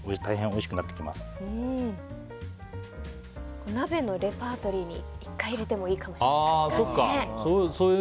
お鍋のレパートリーに１回入れてもいいかもしれないですね。